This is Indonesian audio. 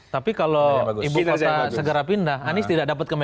tapi kalau ibu kota segera pindah anis tidak dapat ke mstmu